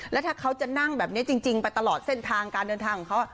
แล้วถ้าเขาจะนั่งแบบนี้จริงไปตลอดเส้นทางการเดินทางของเขา